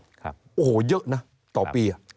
โอ้โหเยอะนะต่อปี